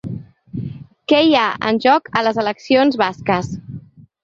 Què hi ha en joc a les eleccions basques?